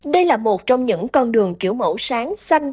đây là một trong những con đường kiểu mẫu sáng xanh